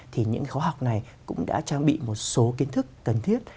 thì những khóa học này cũng đã trang bị một số kiến thức cần thiết